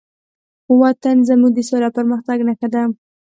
وطن زموږ د سولې او پرمختګ نښه ده.